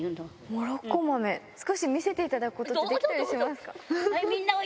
モロッコ豆、少し見せていただくことできますか？